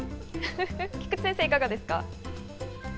菊地先生、いかがですか？